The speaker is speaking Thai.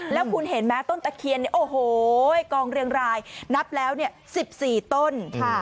แล้วคุณเห็นไหมต้นตะเคียนเนี่ยโอ้โหกองเรียงรายนับแล้ว๑๔ต้น